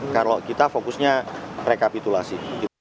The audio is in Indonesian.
kalau kita fokusnya rekapitulasi